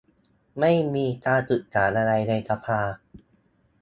ไม่มีการปรึกษาอะไรในสภา